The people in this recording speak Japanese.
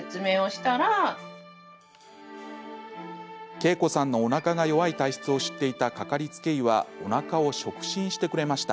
けいこさんのおなかが弱い体質を知っていたかかりつけ医はおなかを触診してくれました。